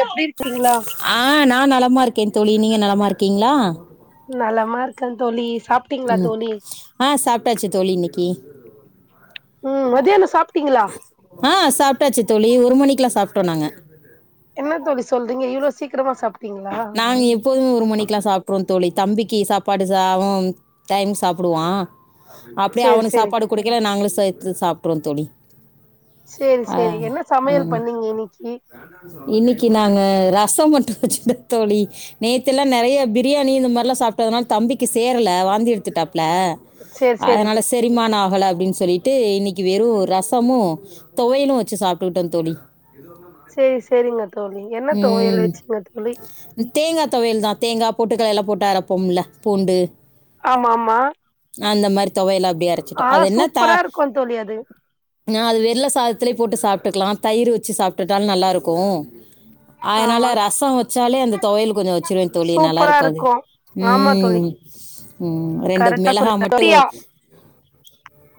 எப்டி இருக்கீங்களா ஆ நா நலமா இருக்கே தோழி நீங்க நலமா இருக்கீங்ளா நலமா இருக்கே தோழி சாப்ட்டீங்களா ம் தோழி ஆ சாப்பிட்டாச்சு தோழி இன்னிக்கி ம் மத்தியானம் சாப்ட்டீங்களா ஆ சாப்ட்டாச்சு தோழி ஒரு மணிக்கெல்லா சாப்ட்டோ நாங்க என்ன தோழி சொல்றீங்க இவ்ளோ சீக்கிரமா சாப் நானு எப் போது ஒரு மணிக்ல்லா சாப்டுருவோ தோழி தம்பிக்கு சாப்பாடு சாவும் டைம்க்கு சாப்டுவா அப்டியே சேரி அவனுக்கு சேரி சாப்பாடு குடுக்கைல நாங்களு சேத்து சாப்டுருவோ தோழி சேரி சேரி என்ன சமையல் பண்ணீங்க இன்னிக்கி இன்னிக்கி நாங்க ரசம் மட்டு வச்சுட்டோ தோழி நேத்து எல்லா நெறையா பிரியாணி இந்த மாதிரில்லா சாப்ட்டதுனால தம்பிக்கு சேர்ல வாந்தி எடுத்துட்டாப்ல சேரி சேரி அதனால சா செரிமான ஆகல அப்டின்னு சொல்லிட்டு இன்னைக்கி வெறும் ரசமும் தொவயலு வச்சு சாப்ட்டுக்கிட்டோ தோழி எது வர்னுனா சேரி சேரிங்க தோழி என்ன துவையல் ம் வச்சீங்க தோழி தேங்கா தொவையல்தா தேங்கா பொட்டுக்கல்லல்லா போட்டு அரப்போம்ல பூண்டு ஆமா ஆமா அந்த மாரி தொவையல்ல அப்டியே அர ஆ சூப்பரா இருக்கு தோழி அது ஆ அது வெல்ல சாதத்துலே போட்டு சாப்ட்டுக்கலா தயிர் வச்சு சாப்ட்டுட்டாலு நல்லாயிருக்கு அதனால ஆமா ரச வச்சாலே அந்த துவையல் கொஞ்சோ வச்சிருவே தோழி நல்லா இருக்கு அது ஆமா தோழி ம் ம் ரெண்டு கரெக்டா மிளகா மட்டு சொன்னீங்க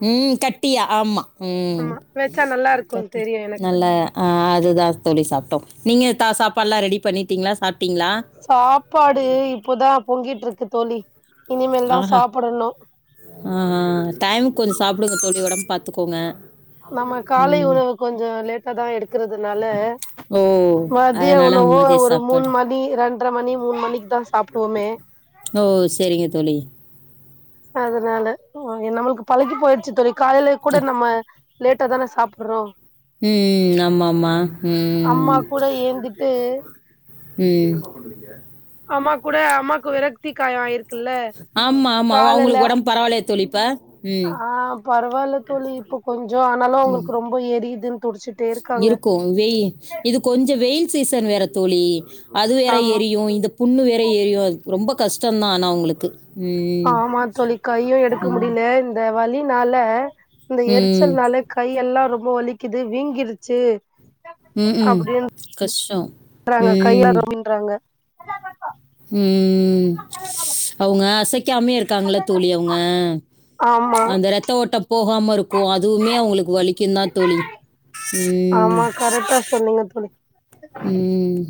ம் கட்டியா ஆமா ம் ஆமா வச்சா நல்லா இருக்கு தெரியு எனக்கு நல்லா ஆ அதுதா தோழி சாப்ட்டோ நீங்க தா சாப்பாடுலா ரெடி பண்ணிட்டீங்ளா சாப்ட்டீங்ளா சாப்பாடு இப்பதா பொங்கிட் இருக்கு தோழி இனிமேல் தா ஆ சாப்பிடணு ஆ டைமுக்கு கொஞ்சோ சாப்பிடுங்க தோழி ஒடம்ப பாத்துக்கோங்க நம்ம காலை உணவு கொஞ்சோ லேட்டாதா எடுக்கறதுனால ஓ மதிய அதனால் உணவோ மதிய ஒரு மூண் சாப்பாடு மணி ரெண்ற மணி மூண் மணிக்கு தா சாப்பிடுவோமே ஓ செரிங்க தோழி அதனால நம்மளுக்கு பழகி போயிடுச்சு தோழி காலையில கூட நம்ம லேட்டா தான சாப்ற்றோ ம் ஆமாம்மா அம்மா ம் கூட ஏந்துட்டு அம்மா கூட அம்மாக்கு விரக்தி காயோ ஆயிருக்குல்ல ஆமா, ஆமா. ஓ, காலுல்ல அவங்களுக்கு உடம்பு பரவாயில்லையா தோழி இப்ப? ம். ஆ பரவால்ல தோழி இப்ப கொஞ்சோ ஆனாலு அவுங்களுக்கு ரொம்ப எரியதுன்னு துடிச்சுட் இருக்கு வெய் இது கொஞ்சோ வெயில் சீசன் வேற தோழி அது வேற ஆமா எரியு இந்த புண்ணு வேற எரியு அது ரொம்ப கஷ்டோ தா ஆனா அவுங்களுக்கு ஆமா தோழி கையு எடுக்க ம். முடியில இந்த வலினால இந்த ம். எரிச்சல்னால கையெல்லா ரொம்ப வலிக்குது வீங்கிருச்சு ம் ம் அப்டின்றாங்க கஷ்டோ ம் றாங்க ம் அவுங்க அசைக்காமேயே இருக்காங்கள தோழி அவுங்க ஆமா அந்த ரத்த ஓட்டோ போகாம இருக்கு அதுவுமே அவுங்களுக்கு வலிக்குந்தா தோழி ம். ஆமா கரெக்டா சொன்னீங்க தோழி ம்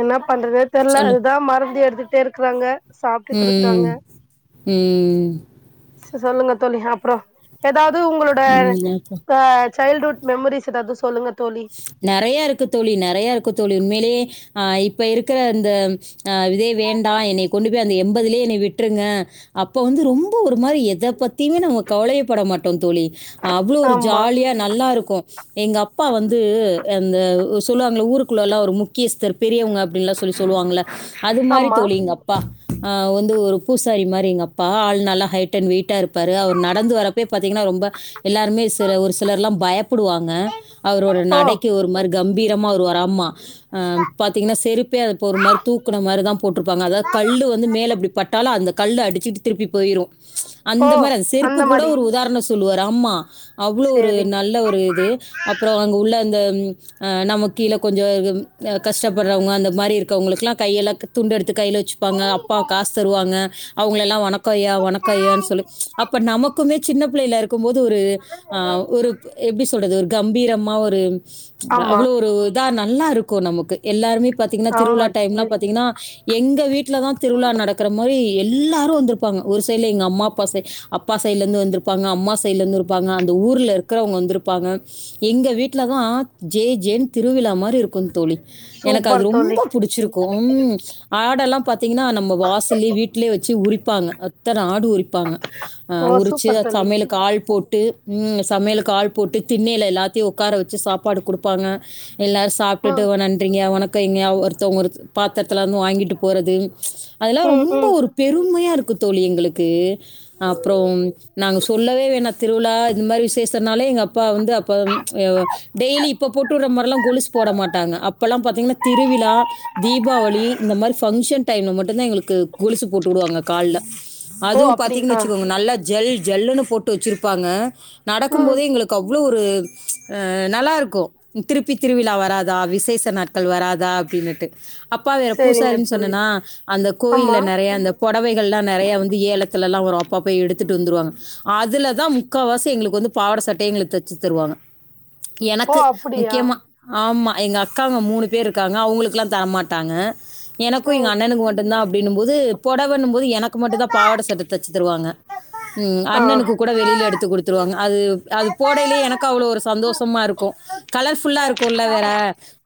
என்னா பண்றதுனே தெர்ல சொல்லு. அதுதா மருந்து எடுத்துட்டே இருக்குறாங்க சாப்ட்டுட் ம். இருக்காங்க ம். சொல்லுங்க தோழி அப்றோ எதாவுது உங்களோட ம். அப்புறம் ஆ சைல்டுஹுட் மெமரிஸ் எதாவுது சொல்லுங்க தோழி நெறையா இருக்கு தோழி நெறையா இருக்கு தோழி உண்மையிலே ஆ இப்ப இருக்குற இந்த அ இதே வேண்டா என்னை கொண்டு போய் அந்த எண்பதுலயே என்னை விட்ருங்க அப்ப வந்து ரொம்ப ஒரு மாரி எத பத்தியுமே நம்ம கவலயேப் பட மாட்டோ தோழி அவ்ளோ ஒரு ஆமா ஜாலியா நல்லா இருக்கு எங்க அப்பா வந் து அந்த சொல்லுவாங்கள ஊருக்குள்ள எல்லா ஒரு முக்கியஸ்தர் பெரியவங்க அப்டின்ல்லா சொல்லி சொல்லுவாங்கள அது மாரி ஆமா தோழி எங்க அப் இப்பா வந்து ஒரு பூசாரி மாரி எங்க பா வந்து பூசாரி மாரி எங்க அப்பா ஆள் நல்லா ஹைட் அண்ட் வெயிட்டா இருப்பாரு அவர் நடந்து வர ப்பே பாத்தீங்கன்னா ரொம்ப எல்லாருமே சில ஒரு சிலர்ல்லா பயப்படுவாங்க அவரோட ஓ நடைக்கு ஒரு மாரி கம்பீரமா வருவாரு ஆம்மா அ பாத்தீங்கன்னா செருப்பே அத போ ஒரு மாரி தூக்குன மாரி தா போட்டிருப்பாங்க அதாவுது கல்லு வந்து மேல இப்டி பட் டாலு அந்த கல் அடிச்சுட்டு திருப்பி போயிரு ஓ அந்த மாரி அந்த செருப்பு கூட ஒரு உதாரண சொல்லுவாரு ஆம்மா அவ்ளோ ஒரு சேரி நல்ல ஒரு இது அப்றோ அங்க உள்ள இந்த நம் கீழே கொஞ்சோ கஷ்டப்படுறவங்க அந்த மாரி இருக்குருவங்கெல்லா கையெல்லா துண்டு எடுத்து கையில வச்சுப்பாங்க அப்பா காசு தருவாங்க அவங்கள எல்லா வணக்கோய்யா வணக்கோய்யான்னு சொல்லு அப்ப நமக்குமே சின்ன பிள்ளைள இருக் இருக்கு போது ஒரு ஆ ஒரு எப்டி சொல்றது ஒரு கம்பீரமா ஒரு ஆமா அவ்ளோ இதா நல்லா இருக்கு நமக்கு எல்லாருமே ஆமா திருவிழா டைம்லா தோழி பாத்தீங்னா எங்க வீட்ல தா திருவிழா நடக்ற மாரி எல்லாரு வந்திருப்பாங்க ஒரு சைடுலே எங்க அம்மா அப்பா சே அப்பா சைடுல இருந்து வந்திருப்பாங்க அம்மா சைடுலருந்து ஒருப் ப்பாங்க அந்த ஊர்ல இருக்கிறவங்க வந்து இருப்பாங்க எங்க வீட்ல அ தாத் ஜே ஜேன் திருவிழா மாதிரி இருக்கு தோழி எனக்கு அது சூப்பர் தோழி ரொம்ப புடிச்சிரு க்கு ஆடெல்லா பாத்தீங்னா நம்ம வாசல்யே வீட்லே வச்சி உரிப்பாங்க அத்தனா ஆடு உரிப் பாங்க அ ஓ உரிச்சி சூப்பர் தோழி சமையலுக்கு ஆள் போ ட்டு ம் சமையலுக்கு ஆள் போட்டு திண்ணேல எல்லாத்தையு உக்கார வச்சி சாப்பாடு குடுப்பாங்க எல்லாரு ஆ சாப்டுட்டு நன்றிங்க உனக்கு இங்யா ஓ ஒருத்தவங்க ஒருத்து பாத்தரத்தில்ல வந்து வாங்கிட்டு போறது அதெல்லா ம் ரொம்ப ம் ஒரு பெருமையா இருக்கு தோழி எங்களுக்கு அப்ரோம் நாங்க சொல்லவே வேணா திருவிழா இந்த மாரி விசேஷனாலே எங்க அப்பா வந்து அப்போம் ஏ ஒ அ டெய்லி இப்ப போட்டுடுற மாதிரல்லா கொலுசு போட மாட்டாங்க அப்பெல்லா பாத்தீங்னா திருவிழா தீபாவளி இந்த மாரி பங்க்ஷன் டைம்ல மட்டுதா எங்களுக்கு கொலுசு போட்டு உடுவாங்க கால்ல ஓ அதுவு பாத்தீங்கன்னு அப்டியா வச்சுக்கோங்க நல்லா ஜல் ஜல்லுன்னு போட்டு வச்சிருப்பாங்க நடக்கு ம் போதே எங்களு கவ்ள ஒரு ஆ நல்லா இருக்கு திருப்பி திருவிழா வராதா விசேஷ நாட்கள் வராதா அப்டின்னுட்டு அப்பா வேற சேரிங்க பூசாரின்னு தோழி சொன்னன்னா அந்த ஆமா கோயில்ல நறைய அந்த புடவைகள்லா நறையா வந்து ஏலத்துலலா வரு அப்பா போய் எடுத்துட்டு வந்துருவாங்க அதுலதா முக்காவாசி எங்ளுக்கு வந்து பாவட சட்டயே எங்களுக்கு தச்சி தருவாங்க ஓ எனக்கு அப்டியா முக்கியமா ஆமா எங்க அக்காவுங்க மூனு இருக்காங்க அவங்களுக்குக்கில்லா தரமாட்டாங்க எனக்கும் எங்க ம் அண்ணனுக்கு மட்டும்தா அப்டின்னும்போது புடவைன்னும் போது எனக்கு மட்டு தா பாவாட சட்ட தச்சி தருவாங்க ம் ஆ அண்ணனுக்கு கூட வெளில எடுத்து குடுத்துருவாங்க அது அது போடேலேயே எனக்கு அவ்ளோ ஒரு சந்தோஷமா இருக்கு கலர்ஃபுல்லா இருக்குல்ல வேற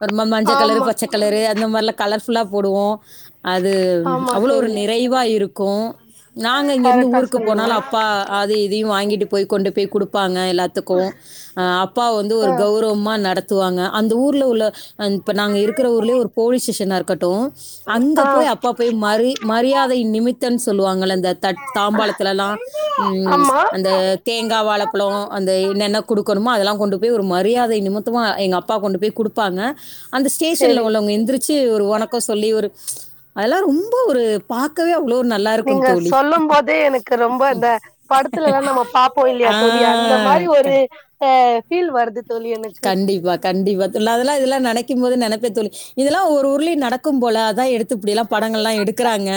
ஒரு மம் மஞ்சள் கலரு ஆமா ப ச்ச கலர் அந்த மாதிரிலாம கலர்ஃபுல்லா போடுவோ அது ஆமா அவ்ளோ ஒரு தோழி நிறைவா இருக்கு நாங்க இங்கேருந்து கரெக்டா ஊருக்கு சொன்னீங்க போனாலு அப்பா அது இதையு வாங்கிட்டு போய் கொண்டு பேய் குடுப்பாங்க எல்லாத்துக்கு அ அப்பா வந்து ஒரு ஆ கௌ ருவமா நடத்துவாங்க அந்த ஊர்ல உள்ள இப்ப நாங்க இருக்கிற ஊர்லயே ஒரு போலீஸ் ஸ்டேஷனா இருக்கட்டு அங்க ஆ போய் அப்பா போய் மரி மரியாதை நிமித்தன்னு சொல்லுவாங்கல இந்த தட்டு தாம்பாளத்திலலா ம் ஆமா அந்த தேங்கா வாழைப்பழோ அந்த என்னென்ன குடுக்கணுமோ அதெல்லா கொண்டு போய் ஒரு மரியாதை நிமித்தமா எங்க அப்பா கொண்டு போய் குடுப்பாங்க அந்த சேரி ஸ்டேஷன்ல உள்ளவங்க எந்திரிச் சி ஒரு வணக்கோ சொல்லி ஒரு அதெல்லா ரொம்ப ஒரு பாக்கவே அவ்வளோ ஒரு நல்லாருக்கும் நீங்க தோழி. சொல்லும் போதே எனக்கு ரொம்ப இந்த படத்துல எல்லா நம்ம பாப் ப்போ இல்லயா ஆ. தோழி அந்த மாரி க ஒரு அ ஃபீல் வருது தோழி எனக்கு கண்டிப்பா கண்டிப்பா தோ அதெல்லா இதெல்லா நனைக்கும் போது நனப்ப தோழி இதெல்லா ஒரு ஊர்ளயு நடக்கும் போல அதா எடுத்து இப்டி எல்லா படங்கள் எல்லா எடுக்குறாங்க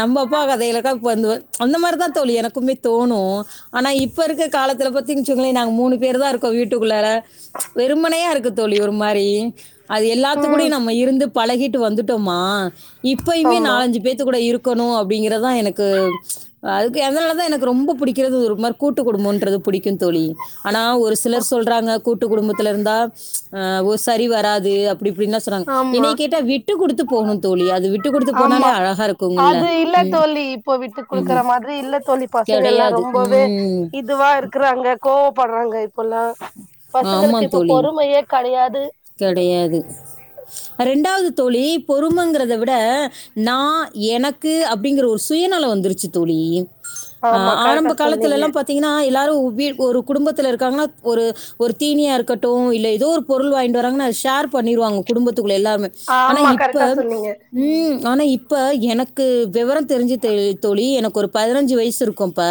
நம்ம அப்பா கதைகளுக்கா இப்பா வந்து அந்த மாதிரிதா தோழி எனக்குமே தோணு ஆனா இப்ப இருக்க காலத்துல பாத்திங்க பத்தி சிங்கோலே நாங்க மூனு பேரு தா இருக்கோ வீட்டுக்குள்ளார வெறுமனையா இருக்கு தோழி ஒரு மாதிரி அது எல்லாத்து ம் கூடயு நம்ம இருந்து பழகிட்டு வந்துட்டோமா இப்பேயுமே ஆமா நாலஞ்சி பேத்து கூட இருக் கணு அப்டிங்கறது தா எனக்கும் அதுக்கு அதனாலதா எனக்கு ரொம்ப புடிக்கிறது ஒரு மாரி கூட்டு குடும்பன்றது புடிக்கு தோழி ஆனா ஒரு சிலர் சொல்றாங்க கூட்டு குடும்பத்துல இருந்தா ஆ ஒ சரி வராது அப்டி இப்டின்னா சொன்னாங்க ஆமா என்னய கேட்டா விட்டு குடுத்து போகணு தோழி அது விட் ஆமா அது இல்ல ம். தோழி இப்போ ம். விட்டுகுடுக்குற மாதிரி இல்ல தோழி பசங்கெல்லா கிடையாது. ரொம்பவே ம். இ இதுவா இருக்கறாங்க கோவபடுறாங்க இப்போல்லா பசங்களுக்கு இப்ப பொறுமையே கெடையாது கெடையாது ரெண்டாவுது தோழி பொறுமங்கறத விட நா எனக்கு அப்டிங்கற ஒரு சுயநலோ வந்துருச்சு தோழி ஆ ஆமா ஆரம்ப கரெக்டா காலத்துல சொன்னீங்க எல்லா பாத்தீங்கனா எல்லாரு ஒரு வீ ஒரு குடும்பத்துல இருக்காங்கனா ஒரு ஒரு தீனியா இருக்கட்டு இல்ல ஏதோ ஒரு பொருள் வாங்கிட்டு வராங்கனா ஷேர் பண்ணிருவாங்க குடும்பத்துக்குள்ள எல்லாமே ஆனா ஆமா இப்ப கரெக்டா சொன்னீங்க ம் ஆனா இப்போ எனக்கு வெவரோ தெரிஞ்சே த தோழி எனக்கு ஒரு பதினஞ்சு வயசு இருக்கு அப்ப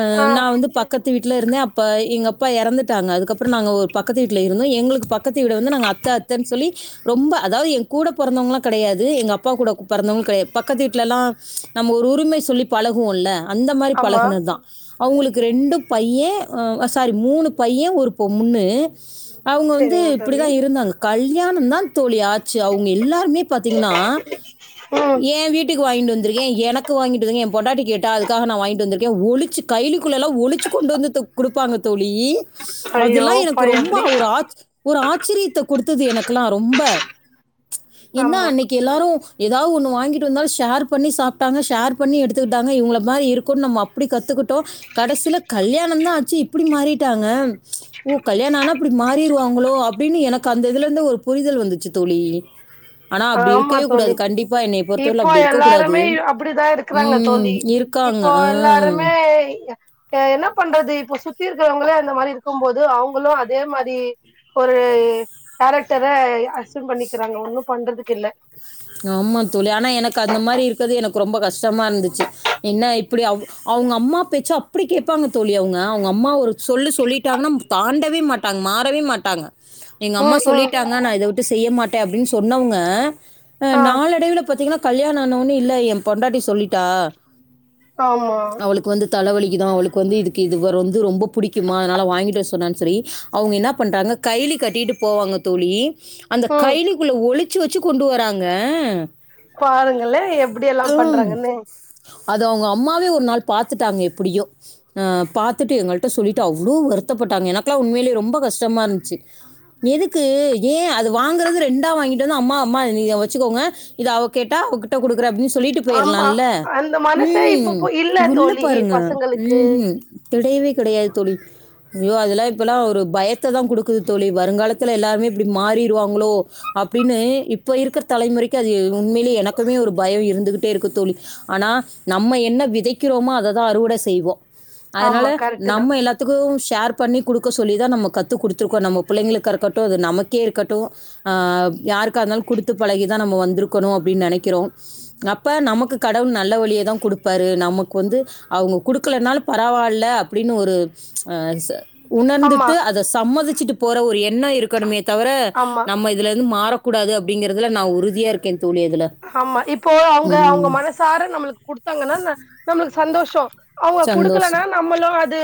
ஆ நா வந்து பக் கத்து வீட்ல இருந்தே அப்ப எங்க அப்பா இறந்துட்டாங்க அதுக்கப்பறோ நாங்க ஒரு பக்கத்து வீட்ல இருந்தோ எங்களுக்கு பக்கத் த்து வீட வந்து நாங்க அத்த அத்தன்னு சொல்லி ரொம்ப அதாவது எங்க கூட பொறந்தவங்களா கெடையாது எங்க அப்பா கூட பெறந்தவங்க கெடையாது பக்கத்து வீட்லலா நம்ம ஒரு உரிமை சொல்லி பழகுவோல்ல அந்த மாரி ஆமா பழகுனது தா அவுங்களுக்கு ரெண்டு பையே அ சாரி மூனு பையே ஒரு பொண்ணு அவுங்க வந்து செரிங்க இப்டி தா தோழி இருந்தாங்க கல்யாணோ தா தோழியாச்சு அவுங்க எல்லாருமே பாத்தீங்கன்னா ம் ஏ வீட்டுக்கு வாங்கிட்டு வந்துரு ஏ எனக்கு வாங்கிட்டு ஏ பொண்டாட்டி கேட்டா அதுக்காக நா வாங்கிட்டு வந்துருக்கே ஒழுச்சு கயிலிக்குள்ளல்லா ஒழிச்சு கொண்டு வந்து குடுப்பாங்க தோழி அதெல்லா ஐயோப்பா எனக்கு ரொம்ப எப்டி ஒரு ஆச் ஒரு ஆச்சரியத்த கொடுத்தது எனக்கெல்லா ரொம்ப ஏன்னா ஆமா அன்னைக் கு எல்லாரு ஏதாவது ஒன்னு வாங்கிட்டு வந்தாலு ஷேர் பண்ணி சாப்டாங்க சேர் பண்ணி எடுத்துக்கிட்டாங்க இவுங்கள மாரி நம்ம இருக்கனு நம்ம அப் அப்டி கத்துக்கிட்டோ கடைசியில கல்யானோ தா ஆச்சு இப்டி மாறிட்டாங்க ஓ கல்யாணோ ஆனா இப்டி மாறிடுவா ங்கலோ அப்டின்னு எனக்கு அந்த இதுல இருந்து ஒரு புரிதல் வந்துச்சு தோழி ஆனா அப்டி ஆமா இருக்கவே தோழி கூடாது கண்டிப்பா என்னைய பொறுத்தவரைல இப்போ அப்டி இருக்க கூடாது எல்லாருமே அப்டிதா இருக்குறாங்க ம் தோழி இருக் இப்போ எல்லாருமே என்ன பண்றது இப்ப சுத்தி இருக்கிறவங்களே அந்த மாரி இருக்கும் போது அவுங்களு அதே மாரி ஒரு கேரக்டரே அசூம் பண்ணிக்கிறாங்க ஒன்னு பண்றதுக்கு இல்ல ஆமா தோழி ஆனா எனக்கு அந்த மாரி இருக்கறது எனக்கு ரொம்ப கஷ்டமா இருந்துச்சு என்ன இப்டி அவ அவுங்க அம்மா பேச்சு அப்டி கேப்பாங்க தோழி அவுங்க அவுங்க அம்மா ஒரு சொல்லு சொல்லிட்டாங்கனா தாண்டவே மாட்டாங்க மாறவே மாட்டாங்க எங்க அம்மா ம் ம் சொல்லிட்டாங்க நா இத விட்டு செய்ய மாட்டே அப்டின்னு சொன்னவங்க ஆ நாளடைவுல பாத்தீங்கன்னா கல்யாணோ ஆன ஒன்னே இல்ல ஏ பொண்டாட்டி சொல்லிட்டா இப்ப அவுங்க அவளுக்கு வந்து தலைவலிக்குதா அவளுக்கு வந்து இதுக்கு இது வர வந்து ரொம்ப புடிக்குமா அதனால வாங்கிட்டு வர சொன்னானு சொல்லி அவுங்க என்ன பண்றாங்க கைய்லி கட்டிட்டு போவாங்க தோழி அந்த ம் கையிலிக்குள்ளே ஒழுச்சு வச்சு கொண்டு வராங்க பாருங்களே எப்டி எல்லா பண்றாங்கன்னு அத அவுங்க அம்மாவே ஒரு நாள் பாத்துட்டாங்க எப்டியோ அ பாத்துட்டு எங்கள்ட்ட சொல்லிட்டு அவ்ளோ வருத்தப்பட்டாங்க எனக்கெல்லா உண்மையிலயே ரொம்ப கஷ்டமா இருந்துச்சு எதுக்கு ஏ அது வாங்கறது ரெண்டா வாங்கிட்டு வந்து அம்மா அம்மா இத நீங்க வச்சுக்கோங்க இத அவ கேட்டா அவ கிட்ட குடுக்குற அப்டின்னு சொ சொல்லிட்டு ஆமா போயிரலால்ல அந்த மனசே இப்ப ம் போ இல்ல தோழி பாருங்க பசங்களுக்கு ம் ம் கெடையவே கெடையாது தோழி ஐயோ அதெல்லா இப்போல்லா ஒரு பயத்த தா குடுக்குது தோழி வருங்காலத் தெர்ல எல்லார்மே இப்டி மாறிருவாங்களோ அப்டினு இப்ப இருக்க தலைமுறைக்கு அது உண்மையிலே எனக்குமே ஒரு பயம் இருந்துகிட்டே இருக்கு தோழி ஆனா நம்ம என்ன விதைக்கிறோமோ அத தா அறுவட செய்வோ அதனால ஆமா கரெக்ட்டு தா நம்ம எல்லா துக்கு ஷேர் பண்ணி குடுக்க சொல்லி தா நம்ம கத்துக் குடுத்துருக்கோ நம்ம புள்ளைங்களுக்கா இருக்கட்டு அது நமக்கே இருக்கட்டு ஆ யாருக்காக இருந்தாலு குடுத்து பழகிதா நம்ம வந்ருக்கணு அப்டின் நெனக்கிறோ அப்ப நமக்கு கடவுள் நல்ல வழியதா குடுப்பாரு நமக்கு வந்து அவுங்க குடுக்கலனாலு பரவால்ல அப்டினு ஒரு ச ஆமா உணர்ந்துட்டு அத சம்மதிச்சிட்டு போற ஒரு எண்ண இருக்கணுமே தவர ஆமா நம்ம இதுல இருந்து மாறக்கூடாது அப்டிங்கறதுல நா உறுதியா இருக்கே தோழி அதுல ஆமா இப்போ அவுங்க அவுங்க ம். மனசார நம்ளுக்கு குடுத்தாங்கன்னா ந நம்ளுக்கு சந்தோஷோ அவுங்க குடுக்லனா சந்தோஷம். நம்மளு அது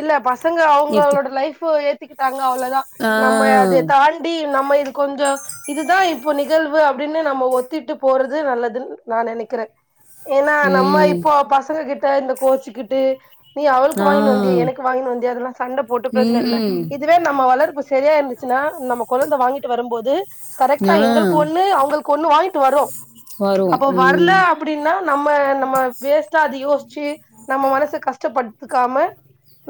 இல்ல பசங்க எடுத்து அவங்களோட லைஃபு த்திகிட்டாங்க அவ்ளதா ஆ. நம்ம அது தாழ் அப்டி நம்ம இது கொஞ்ச இதுதா இப்ப நிகழ்வு அப்டினு நம்ம ஒத்திட்டு போறது நல்லதுன் நா நெனக்கிறே ஏனா நம்ம ம். இப்போ பசங்ககிட் ட இந்த கோச்சிகிட்டு நீ அவுளுக்கு ஆ வாங்கினு வந்தியா எனக்கு வாங்கினு வந்தியா அதெல்லா சண்ட போட்டு ப்ரோச்சன இல்ல ம். இது தே நம்ம வளர்ப்பு சரியா இருந்துச்சுன்னா நம்ம கொழந்த வாங்கிட்டு வரும்போது கரெக்ட்டா ஆ எங்ளுக்கு ஒன்னு அவுங்ளுக் கொன்னு வாங்கிட்டு வருவோ வரும். அப்ப வர்ல ம். அப்டின்னா நம்ம நம்ம வேஸ்ட்டா அது யோஷ்ச்சி நம்ம மனச கஷ்டப்பட் த்துகாம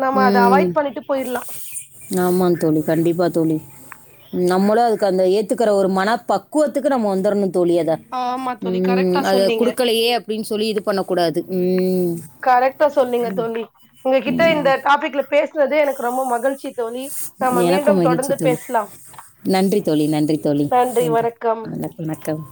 நம்ம அத அவாய்ட் பண்ணிட்டு பொயிட்லா ஆமா தோழி கண்டிப்பா தோழி நம்மளோ அதுக்கு அந்த ஏத்துக்கிற ஒரு மன பக்குவத்துக்கு நம்ம வந்தர்ணு தோழி அத ஆமா தோழி கரெக்டா ம் அத சொன்னீங்க குடுக்லையே அப்டின் சொல்லி இது பண்ண கூடாது ம் கரெக்ட்டா சொன்னீங்க தோழி ஒங்ககிட்ட ம். இந்த டாபிக்ல பேசுனதே எனக்கு ரொம்ப மகிழ்ச்சி தோழி நம்ம எனக்கும் மீண்டும் மகிழ்ச்சி தொடர்ந்து தோழி. பேசலா நன்றி தோழி நன்றி தோழி நன்றி வணக்கம் வண வணக்கம்